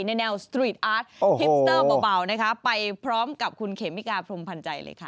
แนวสตรีทอาร์ตฮิปสเตอร์เบานะคะไปพร้อมกับคุณเขมิกาพรมพันธ์ใจเลยค่ะ